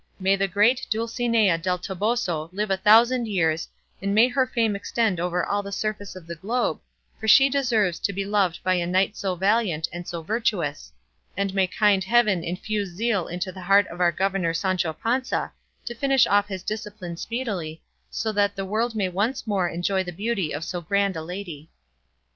May the great Dulcinea del Toboso live a thousand years, and may her fame extend all over the surface of the globe, for she deserves to be loved by a knight so valiant and so virtuous; and may kind heaven infuse zeal into the heart of our governor Sancho Panza to finish off his discipline speedily, so that the world may once more enjoy the beauty of so grand a lady."